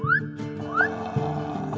ああ。